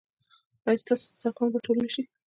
ایا ستاسو دسترخوان به ټول نه شي؟